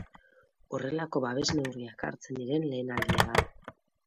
Horrelako babes neurriak hartzen diren lehen aldia da.